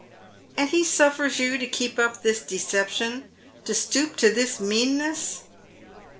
•* And he suffers you to keep up this deception — to stoop to this meanness.